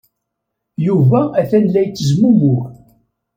Yuba atan la yettezmumug.